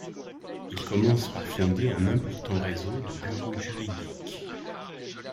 Il commence par fonder un important réseau de bureaux juridiques.